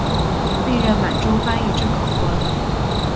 并任满洲翻译正考官。